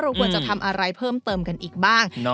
ควรจะทำอะไรเพิ่มเติมกันอีกบ้าง